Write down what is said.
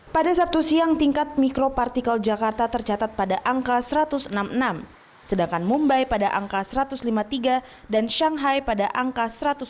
pada sabtu siang tingkat mikropartikel jakarta tercatat pada angka satu ratus enam puluh enam sedangkan mumbai pada angka satu ratus lima puluh tiga dan shanghai pada angka satu ratus enam puluh